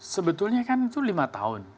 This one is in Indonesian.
sebetulnya kan itu lima tahun